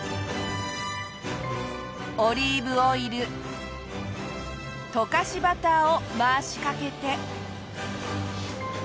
オリーブオイル溶かしバターを回しかけて。